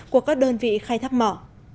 của các đơn vị khai thác mỏ